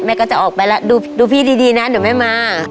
ก็จะออกไปแล้วดูพี่ดีนะเดี๋ยวแม่มา